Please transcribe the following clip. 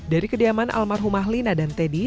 dari kediaman almarhumah lina dan teddy